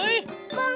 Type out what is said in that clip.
ポン！